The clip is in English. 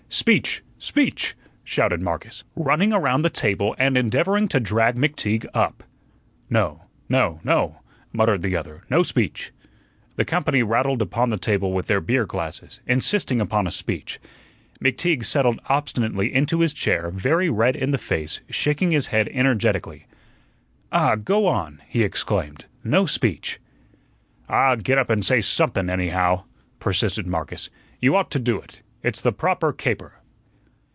"Speech, speech!" shouted Marcus, running around the table and endeavoring to drag McTeague up. "No no no," muttered the other. "No speech." The company rattled upon the table with their beer glasses, insisting upon a speech. McTeague settled obstinately into his chair, very red in the face, shaking his head energetically. "Ah, go on!" he exclaimed; "no speech." "Ah, get up and say somethun, anyhow," persisted Marcus; "you ought to do it. It's the proper caper."